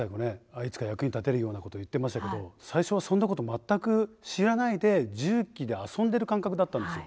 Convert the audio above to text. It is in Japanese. いつか役に立てるようなこと言ってましたけど最初はそんなこと全く知らないで重機で遊んでる感覚だったんですよ。